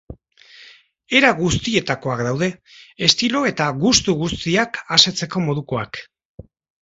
Era guztietakoak daude, estilo eta gustu guztiak asetzeko modukoak.